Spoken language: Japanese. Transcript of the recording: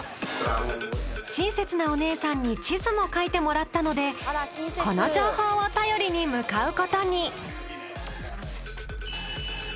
親切なおねえさんに地図も描いてもらったのでこの情報を頼りに向かう事に。